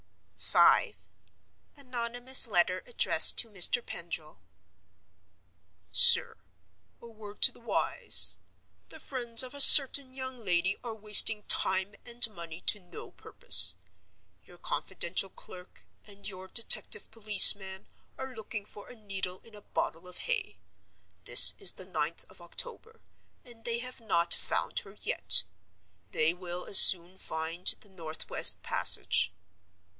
V. Anonymous Letter addressed to Mr. Pendril. "SIR,— "A word to the wise. The friends of a certain young lady are wasting time and money to no purpose. Your confidential clerk and your detective policeman are looking for a needle in a bottle of hay. This is the ninth of October, and they have not found her yet: they will as soon find the Northwest Passage.